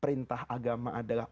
intah agama adalah